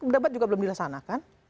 debat juga belum dilaksanakan